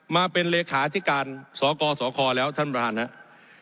มาเป็นเลขาธิการสกสคแล้วท่านประธานครับ